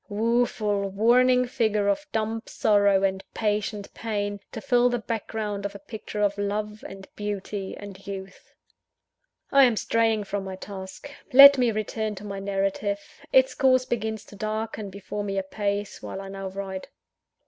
Woeful, warning figure of dumb sorrow and patient pain, to fill the background of a picture of Love, and Beauty, and Youth! I am straying from my task. Let me return to my narrative: its course begins to darken before me apace, while I now write.